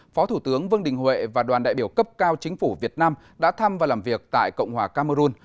phó thủ tướng vương đình huệ và đoàn đại biểu cấp cao chính phủ việt nam đã thăm và làm việc tại cộng hòa camerun